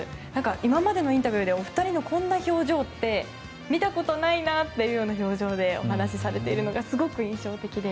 今までのインタビューでお二人のこんな表情って見たことないなという表情でお話しされているのがすごく印象的で。